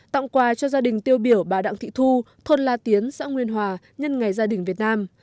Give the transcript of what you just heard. tặng quà cho gia đình tiêu biểu bà đặng thị thu thôn la tiến xã nguyên hòa nhân ngày gia đình việt nam